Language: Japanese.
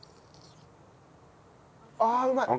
ああうまい！